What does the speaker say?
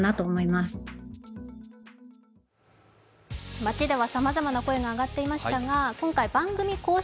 街ではさまざまな声が上がっていましたが今回番組公式